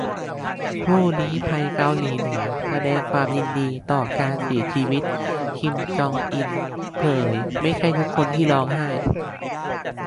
ผู้ลี้ภัย"เกาหลีเหนือ"แสดงความยินดีต่อการเสียชีวิต"คิม จอง อิล" เผย"ไม่ใช่ทุกคนที่ร้องไห้"